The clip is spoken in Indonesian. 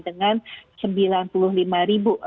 dengan sembilan puluh lima ribu